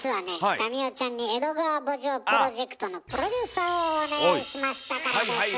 民生ちゃんに「江戸川慕情プロジェクト」のプロデューサーをお願いしましたからです。